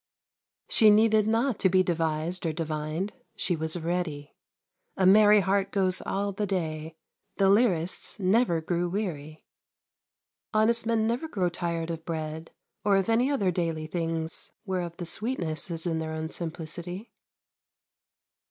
She needed not to be devised or divined; she was ready. A merry heart goes all the day; the lyrist's never grew weary. Honest men never grow tired of bread or of any other daily things whereof the sweetness is in their own simplicity.